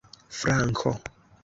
franko